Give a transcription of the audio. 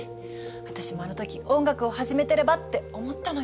私もあの時音楽を始めてればって思ったのよ。